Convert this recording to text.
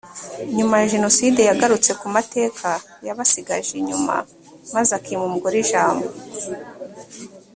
nyuma ya jenoside yagarutse ku mateka yabasigaje inyuma maze akima umugore ijambo